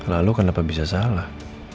lalu kenapa bisa salah